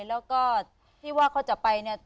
แล้วก็ที่ว่าเขาจะไปเนี่ย